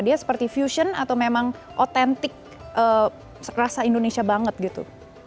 dia seperti fusion atau memang otentik rasa indonesia banget gitu